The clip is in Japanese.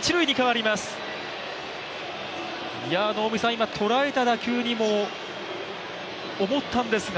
今、捉えた打球にも思ったんですが。